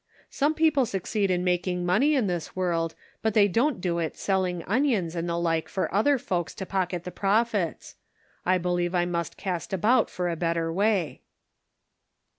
Some people succeed in making money in this world, but they don't do it selling onions and the like for other folks to pocket the profits. I believe I must cast about for a better way."